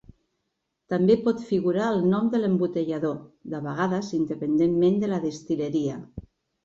També pot figurar el nom de l'embotellador, de vegades independentment de la destil·leria.